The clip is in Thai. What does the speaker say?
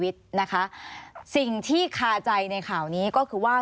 สิ่งที่คาใจในข่าวนี้ก็คือว่า